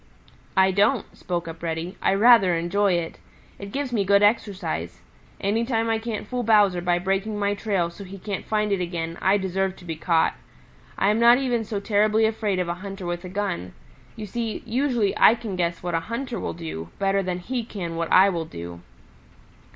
"I don't," spoke up Reddy. "I rather enjoy it. It gives me good exercise. Any time I can't fool Bowser by breaking my trail so he can't find it again, I deserve to be caught. I am not even so terribly afraid of a hunter with a gun. You see, usually I can guess what a hunter will do better than he can what I will do."